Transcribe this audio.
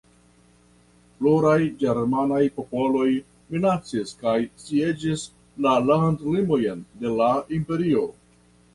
Pluraj ĝermanaj popoloj minacis kaj sieĝis la landlimojn de la Imperio.